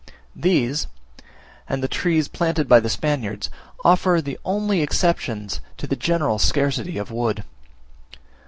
These, and the trees planted by the Spaniards, offer the only exceptions to the general scarcity of wood.